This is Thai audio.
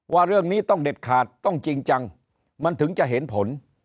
ว่าเรื่องนี้ต้องเด็ดขาดต้องจริงจังมันถึงจะเห็นผล